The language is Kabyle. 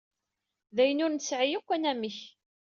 D ayen ur nesɛi yakk anamek.